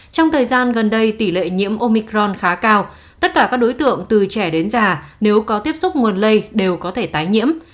trong thời gian gần đây tỷ lệ nhiễm omicron khá cao tất cả các đối tượng từ trẻ đến già nếu có tiếp xúc nguồn lây đều có thể tái nhiễm